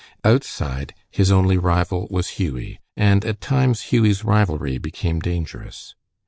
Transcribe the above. Outside, his only rival was Hughie, and at times Hughie's rivalry became dangerous.